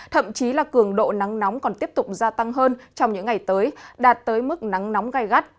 thậm chí là cường độ nắng nóng còn tiếp tục gia tăng hơn trong những ngày tới đạt tới mức nắng nóng gai gắt